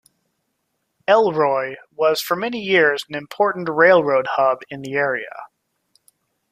Elroy was for many years an important railroad hub in the area.